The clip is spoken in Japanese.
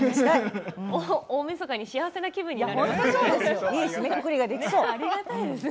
大みそかに幸せな気分になりますね。